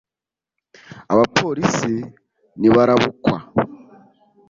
abapolisi ntibarabukwa